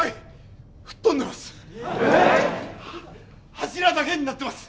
柱だけになってます。